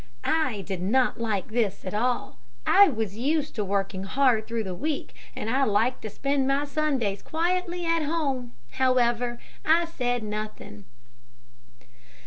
"I did not like this at all. I was used to working hard through the week, and I liked to spend my Sundays quietly at home. However, I said nothing.